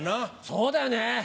そうだよね。